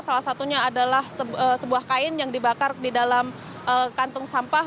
salah satunya adalah sebuah kain yang dibakar di dalam kantung sampah